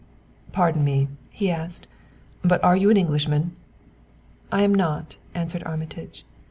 "Pardon me," he asked, "but are you an Englishman?" "I am not," answered Armitage.